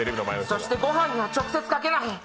そしてごはんには直接かけへん。